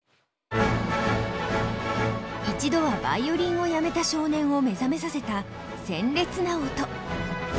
一度はヴァイオリンをやめた少年を目覚めさせた鮮烈な音。